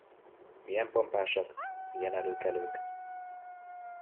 Milyen pompásak, milyen előkelők!